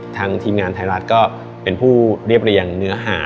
ทางทีมงานไทยรัฐก็เป็นผู้เรียบเรียงเนื้อหา